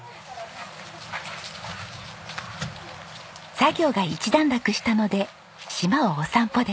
作業が一段落したので島をお散歩です。